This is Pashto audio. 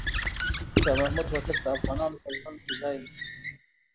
شاه محمود هوتک د افغانانو په زړونو کې ځای لري.